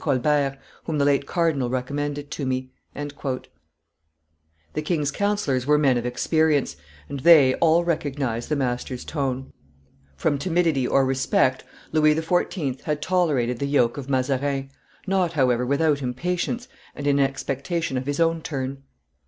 Colbert, whom the late cardinal recommended to me." The king's councillors were men of experience; and they, all recognized the master's tone. From timidity or respect, Louis XIV. had tolerated the yoke of Mazarin, not, however, without impatience and in expectation of his own turn.